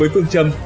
với phương trâm